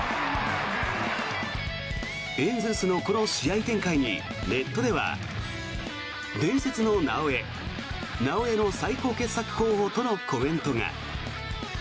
エンゼルスのこの試合展開にネットでは伝説の「なおエ」「なおエ」の最高傑作候補とのコメントが。